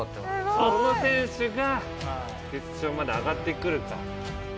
その選手が決勝まで上がってくるか。